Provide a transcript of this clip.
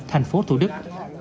thành phố thủ đức